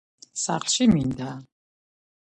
saxlshi minda